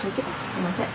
すみません。